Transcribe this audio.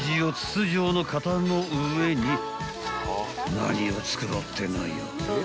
［何を作ろうってのよ］